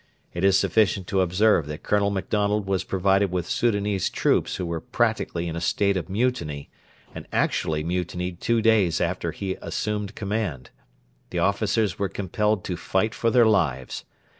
It is sufficient to observe that Colonel Macdonald was provided with Soudanese troops who were practically in a state of mutiny and actually mutinied two days after he assumed command. The officers were compelled to fight for their lives.